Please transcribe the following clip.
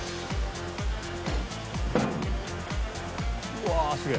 うわあすげえ。